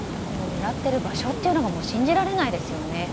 狙っている場所というのが信じられないですよね。